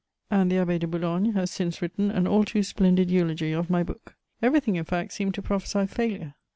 And the Abbé de Boulogne has since written an all too splendid eulogy of my book. Everything, in fact, seemed to prophesy failure.